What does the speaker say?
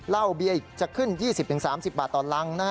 เหล้าเบียร์อีกจะขึ้น๒๐๓๐บาทต่อรัง